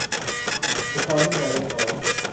มีความวุ่นวายเล็กน้อย